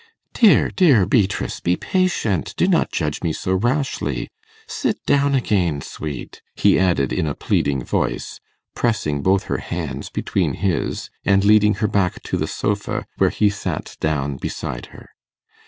'Dear, dear Beatrice, be patient; do not judge me so rashly. Sit down again, sweet,' he added in a pleading voice, pressing both her hands between his, and leading her back to the sofa, where he sat down beside her.